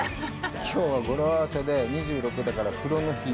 きょうは語呂合わせで２６だから、「風呂の日」。